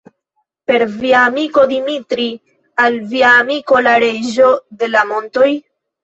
Per via amiko Dimitri, al via amiko la Reĝo de la montoj?